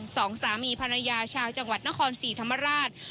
สองสามีภรรยาชาวจังหวัดนครศรีธรรมราช